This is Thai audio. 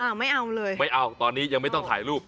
ไม่เอาเลยไม่เอาตอนนี้ยังไม่ต้องถ่ายรูป